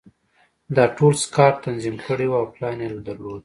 دا ټول سکاټ تنظیم کړي وو او پلان یې درلود